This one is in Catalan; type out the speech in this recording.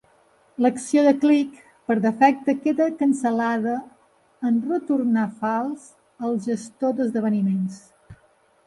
L'acció de clic per defecte queda cancel·lada en retornar fals al gestor d'esdeveniments.